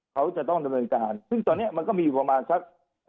เขาจะต้องทำโดยการซึ่งตอนนี้มันก็มีประมาณสัก